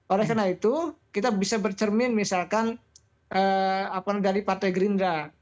oleh karena itu kita bisa bercermin misalkan dari partai gerindra